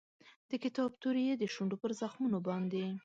د کتاب توري یې د شونډو پر زخمونو باندې